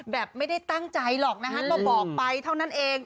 ไม่ได้ตั้งใจหรอกนะฮะก็บอกไปเท่านั้นเอง